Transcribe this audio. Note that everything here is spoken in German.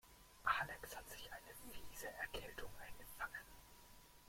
Alex hat sich eine fiese Erkältung eingefangen.